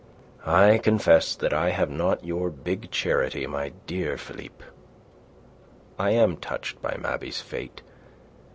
"I confess that I have not your big charity, my dear Philippe. I am touched by Mabey's fate.